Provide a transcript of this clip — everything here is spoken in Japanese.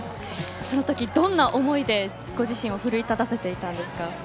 そのとき、どんな思いでご自身を奮い立たせましたか。